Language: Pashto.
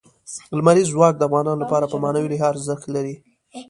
لمریز ځواک د افغانانو لپاره په معنوي لحاظ ارزښت لري.